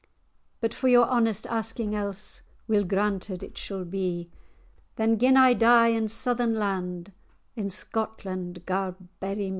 But for your honest asking else, Weel granted it shall be." "Then, gin I die in Southern land, In Scotland gar[#] bury me.